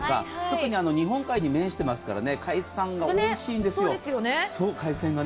特に日本海に面してますから海鮮がおいしいんですよ。